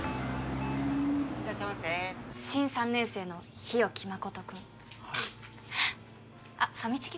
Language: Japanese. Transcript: いらっしゃいませ新３年生の日沖誠君はいあっファミチキ